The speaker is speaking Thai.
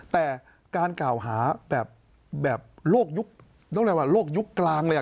แต่การกล่าวหาแบบโลกยุคกลางเลย